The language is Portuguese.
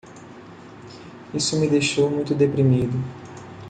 Isso me deixou muito deprimido.